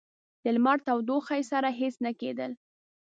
د لمر تودوخې سره هیڅ نه کېدل.